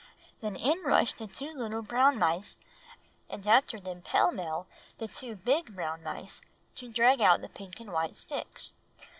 "Then in rushed the two little brown mice, and after them pell mell the two big brown mice, to drag out the pink and white sticks.